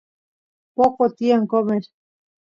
poqo tiyan qomer